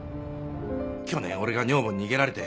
去年俺が女房に逃げられて。